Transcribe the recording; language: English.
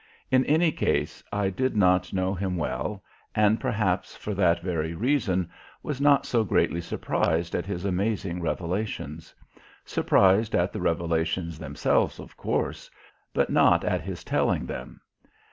In any case I did not know him well and perhaps for that very reason was not so greatly surprised at his amazing revelations surprised at the revelations themselves, of course, but not at his telling them.